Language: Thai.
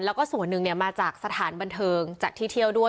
แล้วก็ส่วนหนึ่งมาจากสถานบันเทิงจากที่เที่ยวด้วย